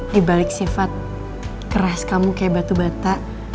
dibalik sifat keras kamu kayak batu bata